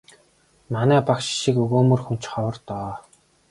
Манай багш шиг өгөөмөр хүн ч ховор доо.